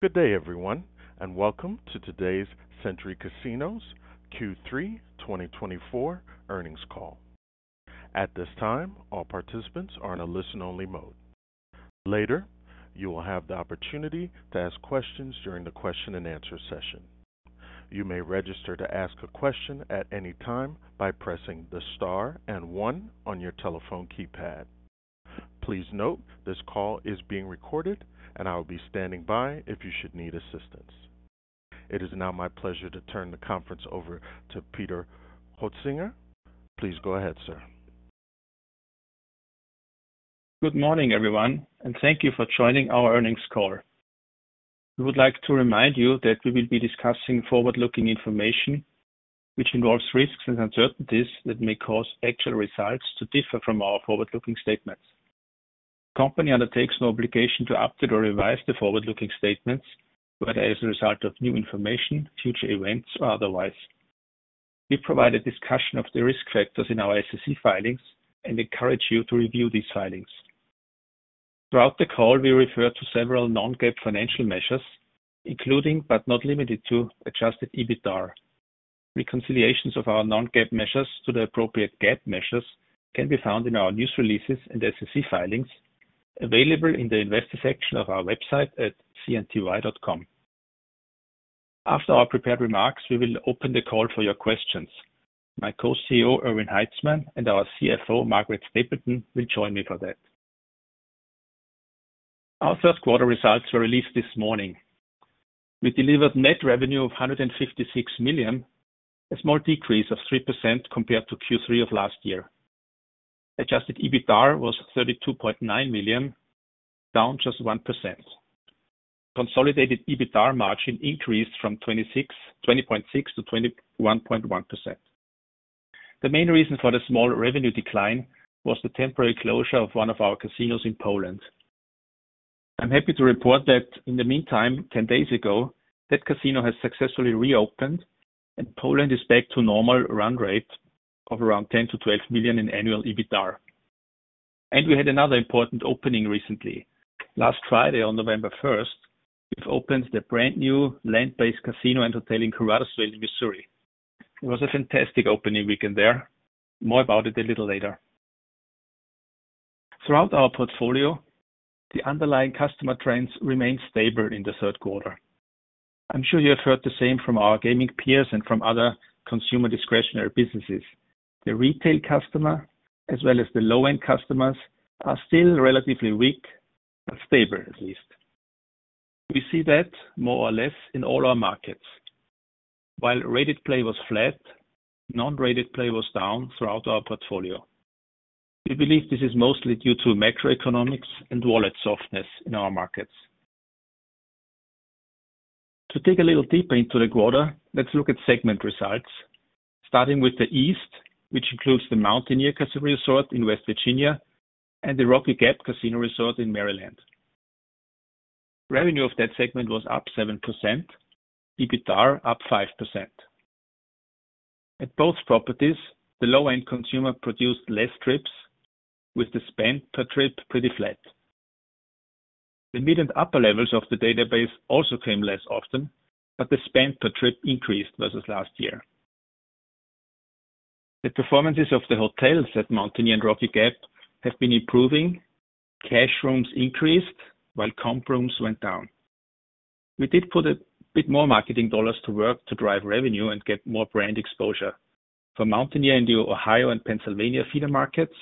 Good day, everyone, and welcome to today's Century Casinos Q3 2024 earnings call. At this time, all participants are in a listen-only mode. Later, you will have the opportunity to ask questions during the question-and-answer session. You may register to ask a question at any time by pressing the star and one on your telephone keypad. Please note this call is being recorded, and I will be standing by if you should need assistance. It is now my pleasure to turn the conference over to Peter Hoetzinger. Please go ahead, sir. Good morning, everyone, and thank you for joining our earnings call. We would like to remind you that we will be discussing forward-looking information, which involves risks and uncertainties that may cause actual results to differ from our forward-looking statements. The company undertakes no obligation to update or revise the forward-looking statements, whether as a result of new information, future events, or otherwise. We provide a discussion of the risk factors in our SEC filings and encourage you to review these filings. Throughout the call, we refer to several non-GAAP financial measures, including, but not limited to, Adjusted EBITDA. Reconciliations of our non-GAAP measures to the appropriate GAAP measures can be found in our news releases and SEC filings, available in the investor section of our website at cnty.com. After our prepared remarks, we will open the call for your questions. My co-CEO, Erwin Haitzmann, and our CFO, Margaret Stapleton, will join me for that. Our first quarter results were released this morning. We delivered net revenue of $156 million, a small decrease of 3% compared to Q3 of last year. Adjusted EBITDA was $32.9 million, down just 1%. The consolidated EBITDA margin increased from 20.6% to 21.1%. The main reason for the small revenue decline was the temporary closure of one of our casinos in Poland. I'm happy to report that, in the meantime, 10 days ago, that casino has successfully reopened, and Poland is back to a normal run rate of around $10-$12 million in annual EBITDA. We had another important opening recently. Last Friday, on November 1st, we've opened the brand-new land-based casino and hotel in Caruthersville, Missouri. It was a fantastic opening weekend there. More about it a little later. Throughout our portfolio, the underlying customer trends remain stable in the third quarter. I'm sure you have heard the same from our gaming peers and from other consumer discretionary businesses. The retail customer, as well as the low-end customers, are still relatively weak, but stable, at least. We see that more or less in all our markets. While rated play was flat, non-rated play was down throughout our portfolio. We believe this is mostly due to macroeconomics and wallet softness in our markets. To dig a little deeper into the quarter, let's look at segment results, starting with the East, which includes the Mountaineer Casino Resort in West Virginia and the Rocky Gap Casino Resort in Maryland. Revenue of that segment was up 7%, EBITDA up 5%. At both properties, the low-end consumer produced less trips, with the spend per trip pretty flat. The mid and upper levels of the database also came less often, but the spend per trip increased versus last year. The performances of the hotels at Mountaineer and Rocky Gap have been improving. Cash rooms increased, while comp rooms went down. We did put a bit more marketing dollars to work to drive revenue and get more brand exposure for Mountaineer in the Ohio and Pennsylvania feeder markets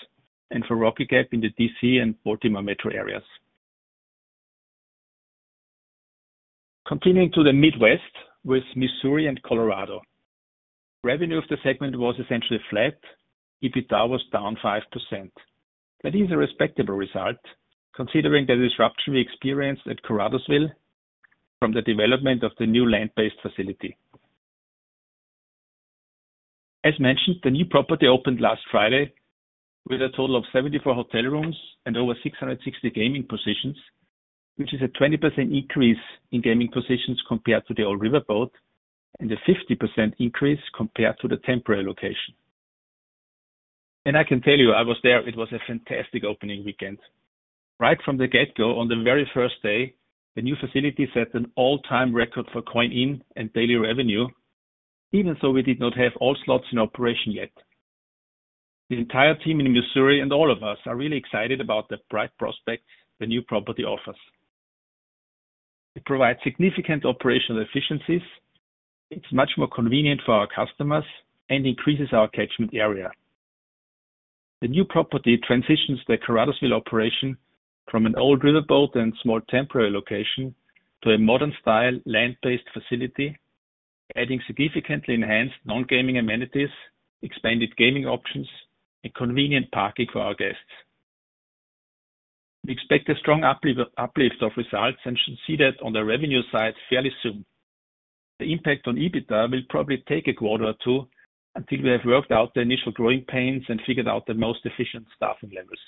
and for Rocky Gap in the DC and Baltimore metro areas. Continuing to the Midwest with Missouri and Colorado. Revenue of the segment was essentially flat. EBITDA was down 5%. That is a respectable result, considering the disruption we experienced at Caruthersville from the development of the new land-based facility. As mentioned, the new property opened last Friday with a total of 74 hotel rooms and over 660 gaming positions, which is a 20% increase in gaming positions compared to the old riverboat and a 50% increase compared to the temporary location. And I can tell you, I was there. It was a fantastic opening weekend. Right from the get-go, on the very first day, the new facility set an all-time record for coin-in and daily revenue, even though we did not have all slots in operation yet. The entire team in Missouri and all of us are really excited about the bright prospects the new property offers. It provides significant operational efficiencies. It's much more convenient for our customers and increases our catchment area. The new property transitions the Caruthersville operation from an old riverboat and small temporary location to a modern-style land-based facility, adding significantly enhanced non-gaming amenities, expanded gaming options, and convenient parking for our guests. We expect a strong uplift of results and should see that on the revenue side fairly soon. The impact on EBITDA will probably take a quarter or two until we have worked out the initial growing pains and figured out the most efficient staffing levels.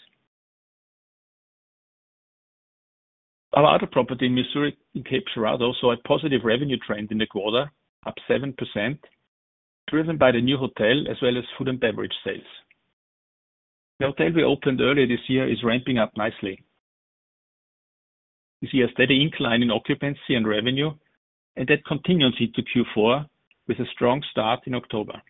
Our other property in Missouri in Cape Girardeau saw a positive revenue trend in the quarter, up 7%, driven by the new hotel as well as food and beverage sales. The hotel we opened earlier this year is ramping up nicely. We see a steady incline in occupancy and revenue, and that continues into Q4 with a strong start in October.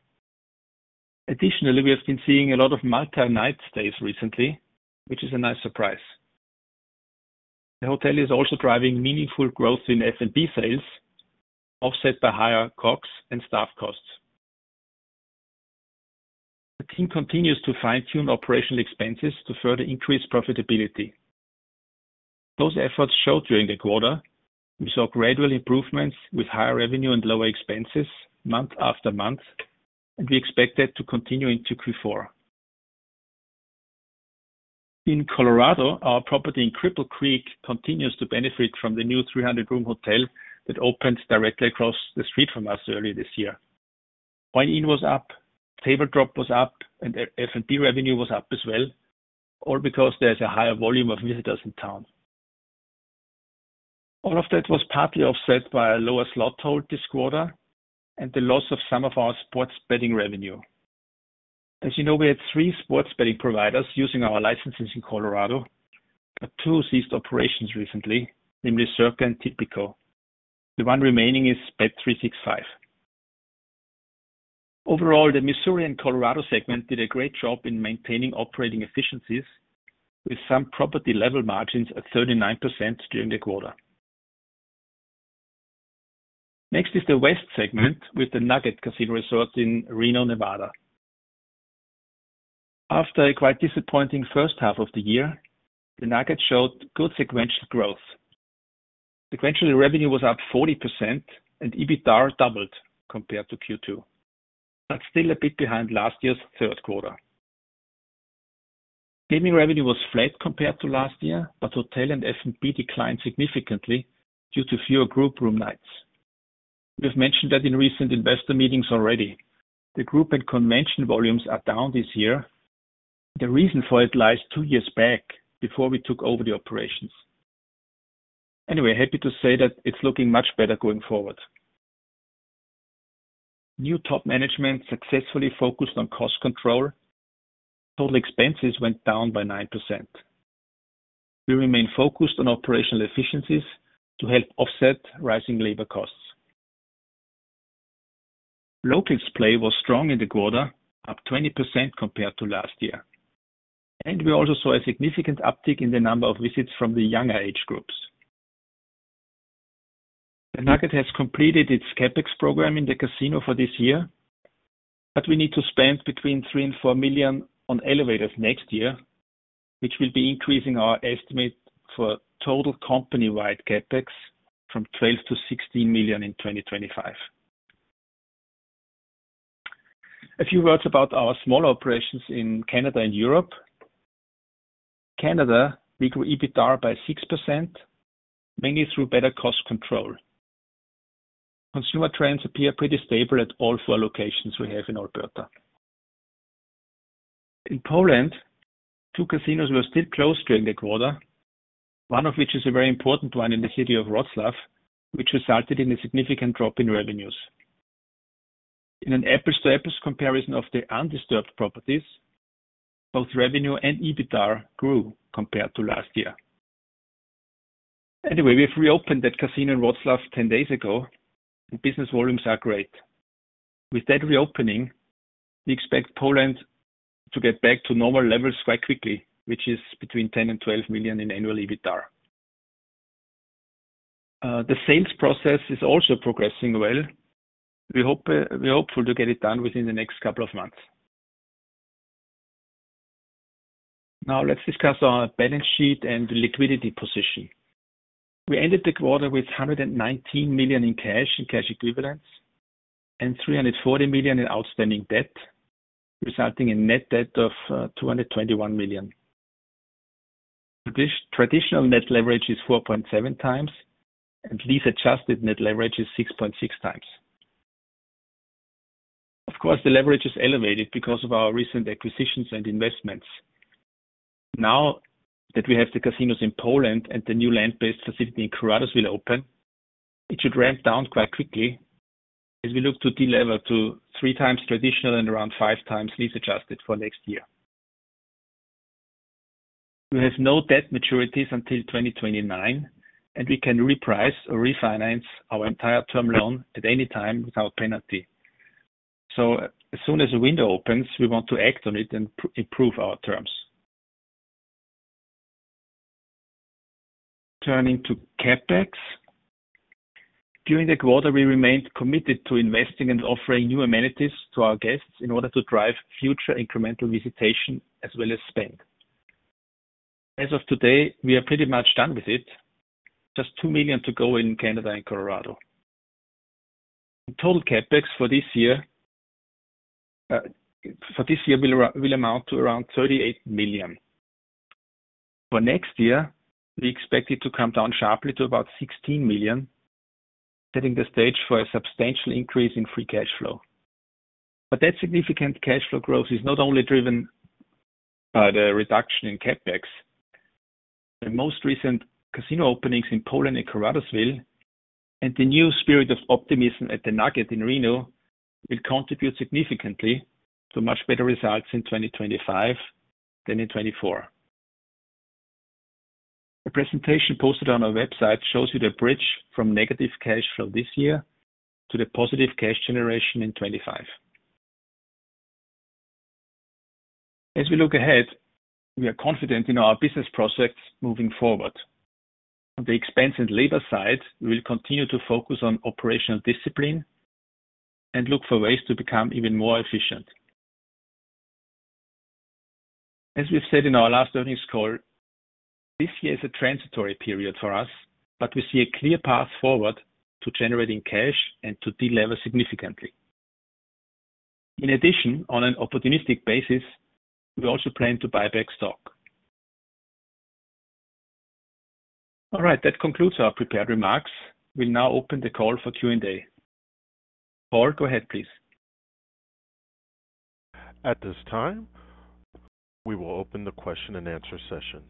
Additionally, we have been seeing a lot of multi-night stays recently, which is a nice surprise. The hotel is also driving meaningful growth in F&B sales, offset by higher COGS and staff costs. The team continues to fine-tune operational expenses to further increase profitability. Those efforts showed during the quarter. We saw gradual improvements with higher revenue and lower expenses month after month, and we expect that to continue into Q4. In Colorado, our property in Cripple Creek continues to benefit from the new 300-room hotel that opened directly across the street from us earlier this year. Coin-in was up, table drop was up, and F&B revenue was up as well, all because there's a higher volume of visitors in town. All of that was partly offset by a lower slot hold this quarter and the loss of some of our sports betting revenue. As you know, we had three sports betting providers using our licenses in Colorado. Two ceased operations recently, namely Circa and Tipico. The one remaining is Bet365. Overall, the Missouri and Colorado segment did a great job in maintaining operating efficiencies, with some property level margins at 39% during the quarter. Next is the West segment with the Nugget Casino Resort in Reno, Nevada. After a quite disappointing first half of the year, the Nugget showed good sequential growth. Sequentially, revenue was up 40%, and EBITDA doubled compared to Q2, but still a bit behind last year's third quarter. Gaming revenue was flat compared to last year, but hotel and F&B declined significantly due to fewer group room nights. We've mentioned that in recent investor meetings already. The group and convention volumes are down this year. The reason for it lies two years back, before we took over the operations. Anyway, happy to say that it's looking much better going forward. New top management successfully focused on cost control. Total expenses went down by 9%. We remain focused on operational efficiencies to help offset rising labor costs. Locals' play was strong in the quarter, up 20% compared to last year. And we also saw a significant uptick in the number of visits from the younger age groups. The Nugget has completed its CapEx program in the casino for this year, but we need to spend between $3 and 4 million on elevators next year, which will be increasing our estimate for total company-wide CapEx from $12 to 16 million in 2025. A few words about our small operations in Canada and Europe. In Canada, we grew EBITDA by 6%, mainly through better cost control. Consumer trends appear pretty stable at all four locations we have in Alberta. In Poland, two casinos were still closed during the quarter, one of which is a very important one in the city of Wrocław, which resulted in a significant drop in revenues. In an apples-to-apples comparison of the undisturbed properties, both revenue and EBITDA grew compared to last year. Anyway, we've reopened that casino in Wrocław 10 days ago, and business volumes are great. With that reopening, we expect Poland to get back to normal levels quite quickly, which is between $10 million and $12 million in annual EBITDA. The sales process is also progressing well. We're hopeful to get it done within the next couple of months. Now, let's discuss our balance sheet and liquidity position. We ended the quarter with $119 million in cash and cash equivalents and $340 million in outstanding debt, resulting in net debt of $221 million. Traditional net leverage is 4.7 times, and lease-adjusted net leverage is 6.6 times. Of course, the leverage is elevated because of our recent acquisitions and investments. Now that we have the casinos in Poland and the new land-based facility in Caruthersville open, it should ramp down quite quickly as we look to delever to three times traditional and around five times lease-adjusted for next year. We have no debt maturities until 2029, and we can reprice or refinance our entire term loan at any time without penalty. So, as soon as the window opens, we want to act on it and improve our terms. Turning to CapEx. During the quarter, we remained committed to investing and offering new amenities to our guests in order to drive future incremental visitation as well as spend. As of today, we are pretty much done with it. Just $2 million to go in Canada and Colorado. Total CapEx for this year will amount to around $38 million. For next year, we expect it to come down sharply to about $16 million, setting the stage for a substantial increase in free cash flow. But that significant cash flow growth is not only driven by the reduction in CapEx. The most recent casino openings in Poland and Caruthersville and the new spirit of optimism at the Nugget in Reno will contribute significantly to much better results in 2025 than in 2024. The presentation posted on our website shows you the bridge from negative cash flow this year to the positive cash generation in 2025. As we look ahead, we are confident in our business prospects moving forward. On the expense and labor side, we will continue to focus on operational discipline and look for ways to become even more efficient. As we've said in our last earnings call, this year is a transitory period for us, but we see a clear path forward to generating cash and to delever significantly. In addition, on an opportunistic basis, we also plan to buy back stock. All right, that concludes our prepared remarks. We'll now open the call for Q&A. Paul, go ahead, please. At this time, we will open the question and answer session.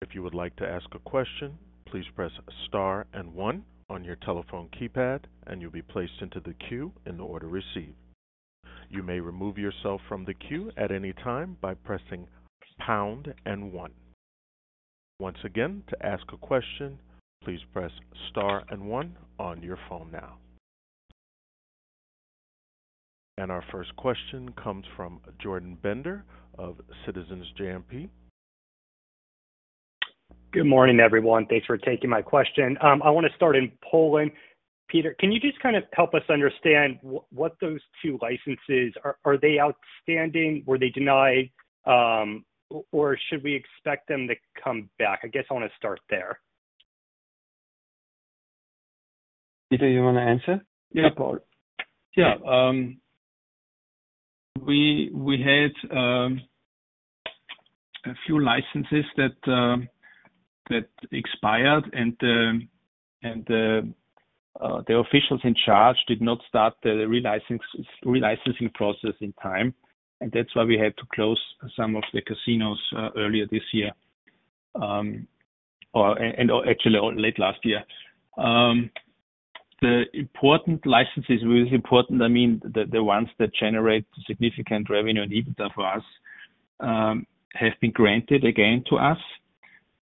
If you would like to ask a question, please press star and one on your telephone keypad, and you'll be placed into the queue in order to receive. You may remove yourself from the queue at any time by pressing pound and one. Once again, to ask a question, please press star and one on your phone now. And our first question comes from Jordan Bender of Citizens JMP. Good morning, everyone. Thanks for taking my question. I want to start in Poland. Peter, can you just kind of help us understand what those two licenses are? Are they outstanding? Were they denied? Or should we expect them to come back? I guess I want to start there. Peter, you want to answer? Yeah, Paul. Yeah. We had a few licenses that expired, and the officials in charge did not start the relicensing process in time. And that's why we had to close some of the casinos earlier this year, and actually late last year. The important licenses, with important, I mean the ones that generate significant revenue and EBITDA for us, have been granted again to us.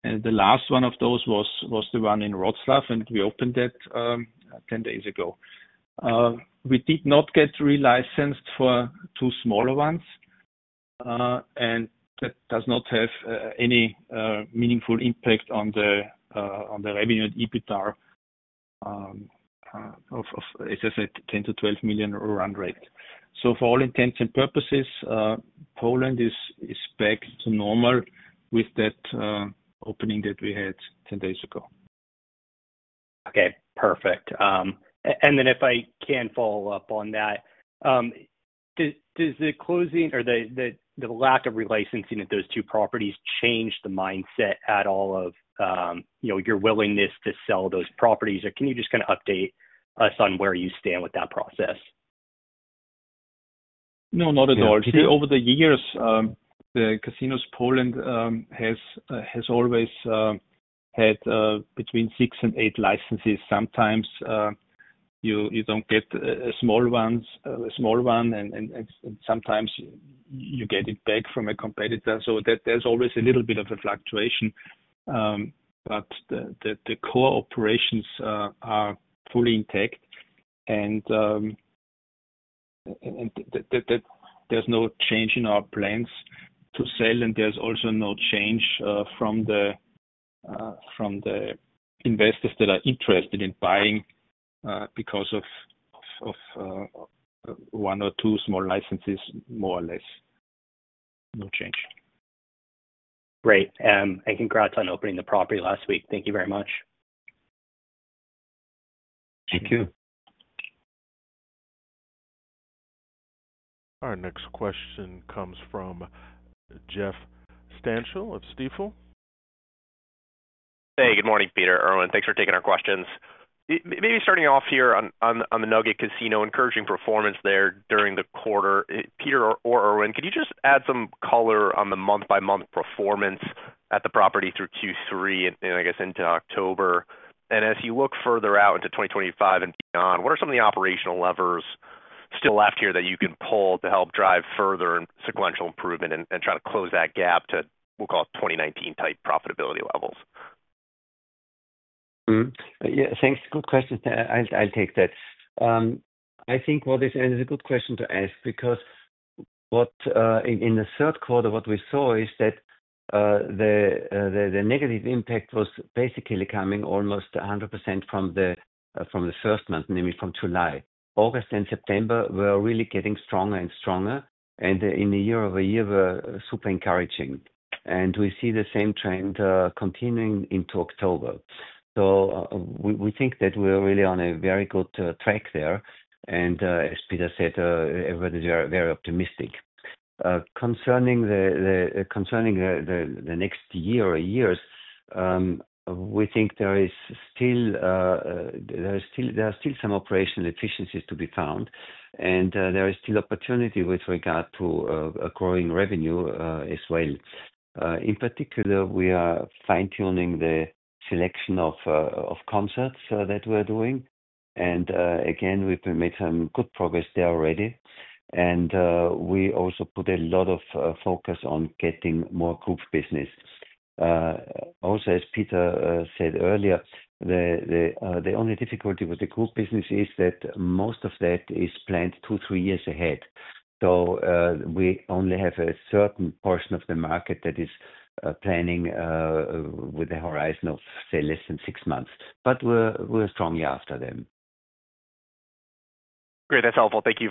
The last one of those was the one in Wrocław, and we opened it 10 days ago. We did not get relicensed for two smaller ones, and that does not have any meaningful impact on the revenue and EBITDA of, as I said, $10-12 million run rate. For all intents and purposes, Poland is back to normal with that opening that we had 10 days ago. Okay, perfect. If I can follow up on that, does the closing or the lack of relicensing at those two properties change the mindset at all of your willingness to sell those properties? Or can you just kind of update us on where you stand with that process? No, not at all. Over the years, the Casinos Poland have always had between six and eight licenses. Sometimes you don't get a small one, and sometimes you get it back from a competitor. So there's always a little bit of a fluctuation. But the core operations are fully intact, and there's no change in our plans to sell. And there's also no change from the investors that are interested in buying because of one or two small licenses, more or less. No change. Great. And congrats on opening the property last week. Thank you very much. Thank you. Our next question comes from Jeff Stantial of Stifel. Hey, good morning, Peter. Erwin, thanks for taking our questions. Maybe starting off here on the Nugget Casino, encouraging performance there during the quarter. Peter or Erwin, could you just add some color on the month-by-month performance at the property through Q3 and, I guess, into October? And as you look further out into 2025 and beyond, what are some of the operational levers still left here that you can pull to help drive further and sequential improvement and try to close that gap to, we'll call it, 2019-type profitability levels? Yeah, thanks. Good question. I'll take that. I think, well, this is a good question to ask because in the third quarter, what we saw is that the negative impact was basically coming almost 100% from the first month, namely from July. August and September were really getting stronger and stronger, and in a year over year, were super encouraging. And we see the same trend continuing into October. So we think that we're really on a very good track there. And as Peter said, everybody's very optimistic. Concerning the next year or years, we think there are still some operational efficiencies to be found, and there is still opportunity with regard to growing revenue as well. In particular, we are fine-tuning the selection of concerts that we're doing. And again, we've made some good progress there already. And we also put a lot of focus on getting more group business. Also, as Peter said earlier, the only difficulty with the group business is that most of that is planned two, three years ahead. So we only have a certain portion of the market that is planning with a horizon of, say, less than six months. But we're strongly after them. Great. That's helpful. Thank you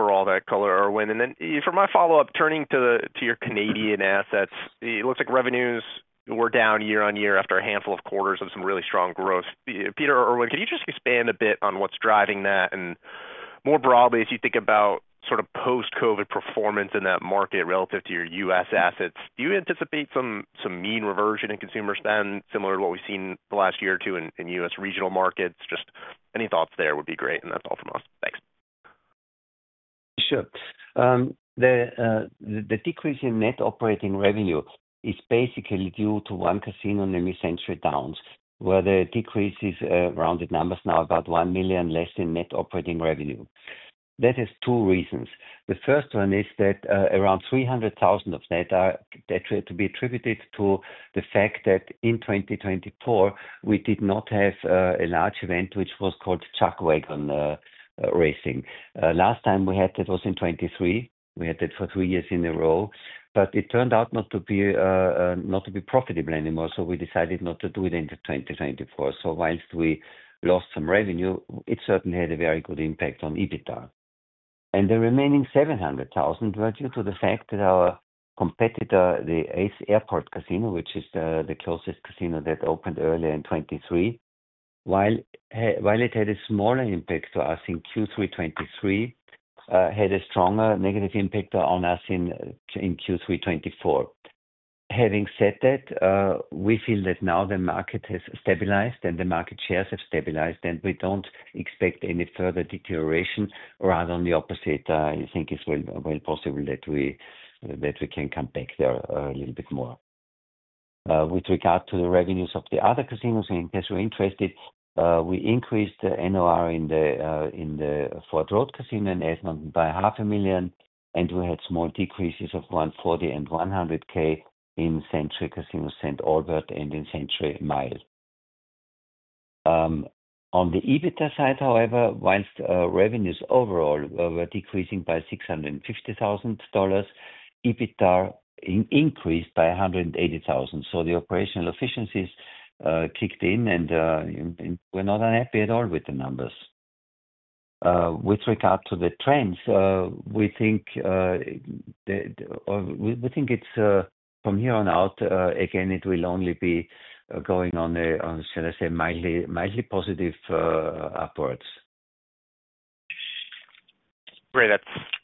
for all that color, Erwin. Then, for my follow-up, turning to your Canadian assets, it looks like revenues were down year on year after a handful of quarters of some really strong growth. Peter or Erwin, could you just expand a bit on what's driving that? And more broadly, as you think about sort of post-COVID performance in that market relative to your US assets, do you anticipate some mean reversion in consumers then, similar to what we've seen the last year or two in US regional markets? Just any thoughts there would be great. And that's all from us. Thanks. Sure. The decrease in net operating revenue is basically due to one casino in the Century Downs, where the decrease is rounded numbers now about one million less in net operating revenue. That has two reasons. The first one is that around $300,000 of that are to be attributed to the fact that in 2024, we did not have a large event, which was called Chuck Wagon Racing. Last time we had that was in 2023. We had that for three years in a row, but it turned out not to be profitable anymore, so we decided not to do it in 2024. So while we lost some revenue, it certainly had a very good impact on EBITDA, and the remaining $700,000 were due to the fact that our competitor, the Ace Airport Casino, which is the closest casino that opened earlier in 2023, while it had a smaller impact to us in Q3 2023, had a stronger negative impact on us in Q3 2024. Having said that, we feel that now the market has stabilized and the market shares have stabilized, and we don't expect any further deterioration, rather than the opposite. I think it's well possible that we can come back there a little bit more. With regard to the revenues of the other casinos, in case you're interested, we increased the NOR in the Fort Road Casino in Edmonton by $500,000, and we had small decreases of $140,000 and $100,000 in Century Casino St. Albert and in Century Mile. On the EBITDA side, however, while revenues overall were decreasing by $650,000, EBITDA increased by $180,000. So the operational efficiencies kicked in, and we're not unhappy at all with the numbers. With regard to the trends, we think it's from here on out, again, it will only be going on, shall I say, mildly positive upwards. Great.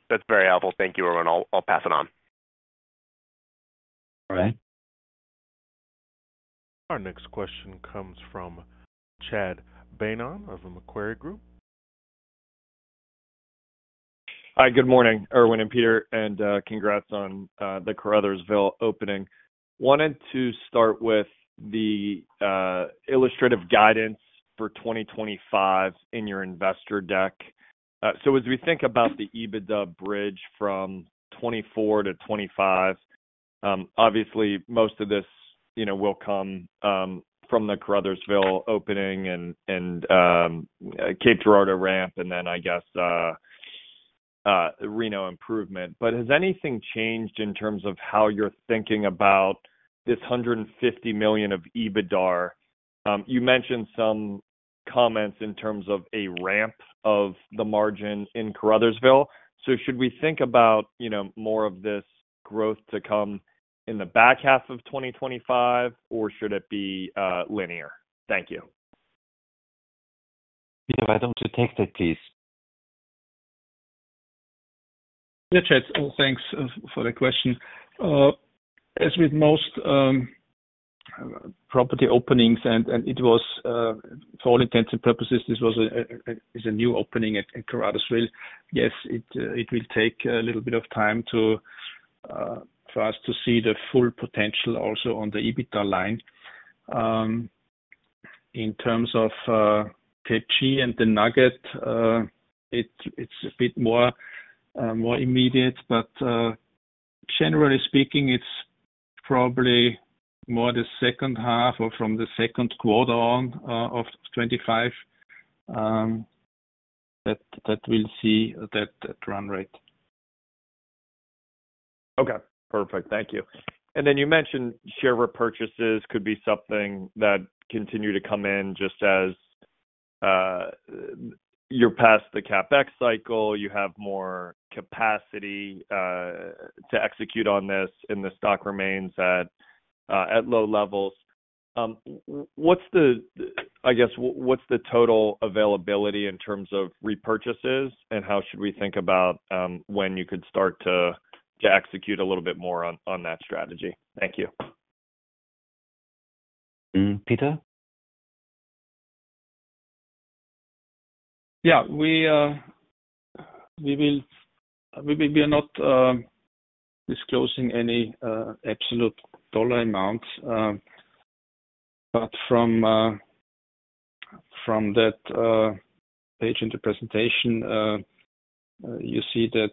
That's very helpful. Thank you, Erwin. I'll pass it on. All right. Our next question comes from Chad Beynon of the Macquarie Group. Hi, good morning, Erwin and Peter, and congrats on the Caruthersville opening. Wanted to start with the illustrative guidance for 2025 in your investor deck. So as we think about the EBITDA bridge from 2024 to 2025, obviously, most of this will come from the Caruthersville opening and Cape Girardeau ramp, and then, I guess, Reno improvement. But has anything changed in terms of how you're thinking about this $150 million of EBITDA? You mentioned some comments in terms of a ramp of the margin in Caruthersville. So should we think about more of this growth to come in the back half of 2025, or should it be linear? Thank you. Peter, why don't you take that, please? Yeah, Chad, thanks for the question. As with most property openings, and for all intents and purposes, this is a new opening at Caruthersville. Yes, it will take a little bit of time for us to see the full potential also on the EBITDA line. In terms of Cape G and the Nugget, it's a bit more immediate, but generally speaking, it's probably more the second half or from the second quarter on of 2025 that we'll see that run rate. Okay. Perfect. Thank you. And then you mentioned share repurchases could be something that continue to come in just as you're past the CapEx cycle, you have more capacity to execute on this, and the stock remains at low levels. I guess, what's the total availability in terms of repurchases, and how should we think about when you could start to execute a little bit more on that strategy? Thank you. Peter? Yeah. We will be not disclosing any absolute dollar amounts. But from that page in the presentation, you see that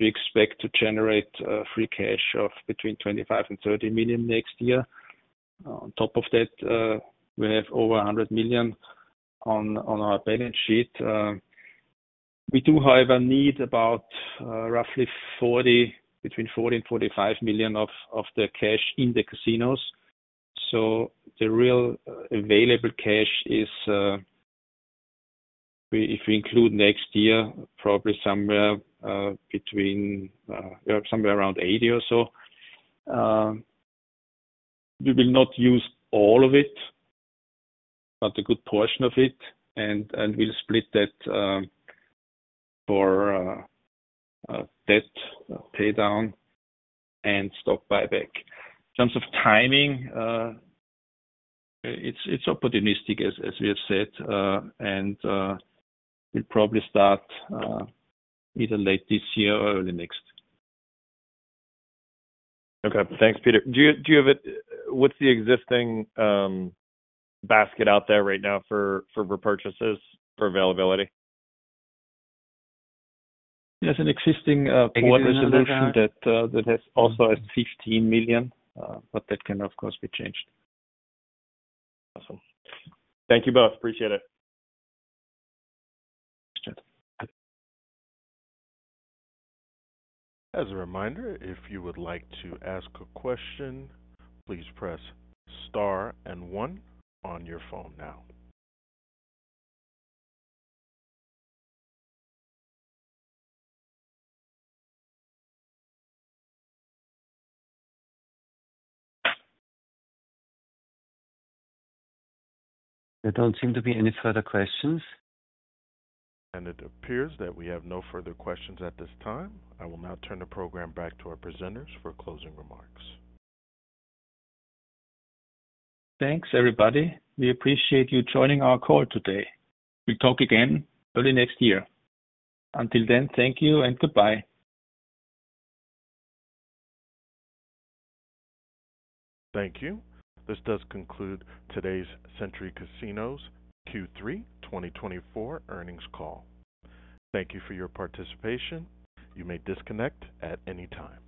we expect to generate free cash of between $25 million and $30 million next year. On top of that, we have over $100 million on our balance sheet. We do, however, need about roughly between $40 million and $45 million of the cash in the casinos. So the real available cash is, if we include next year, probably somewhere around $80 million or so. We will not use all of it, but a good portion of it, and we'll split that for debt paydown and stock buyback. In terms of timing, it's opportunistic, as we have said, and we'll probably start either late this year or early next. Okay. Thanks, Peter. What's the existing basket out there right now for repurchases, for availability? There's an existing portfolio that has also $15 million, but that can, of course, be changed. Awesome. Thank you both. Appreciate it. As a reminder, if you would like to ask a question, please press star and one on your phone now. There don't seem to be any further questions, and it appears that we have no further questions at this time. I will now turn the program back to our presenters for closing remarks. Thanks, everybody. We appreciate you joining our call today. We'll talk again early next year. Until then, thank you and goodbye. Thank you. This does conclude today's Century Casinos Q3 2024 earnings call. Thank you for your participation. You may disconnect at any time.